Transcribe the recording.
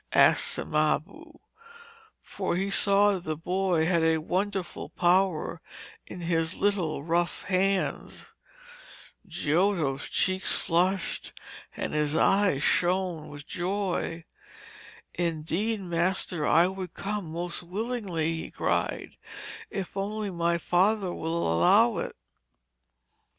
asked Cimabue, for he saw that the boy had a wonderful power in his little rough hands. Giotto's cheeks flushed, and his eyes shone with joy. 'Indeed, master, I would come most willingly,' he cried, 'if only my father will allow it.'